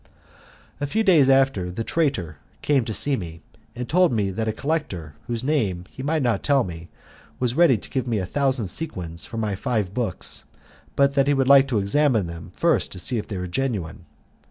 A few days after, the traitor came to see me and told me that a collector, whose name he might not tell me, was ready to give me a thousand sequins for my five books, but that he would like to examine them first to see if they were genuine.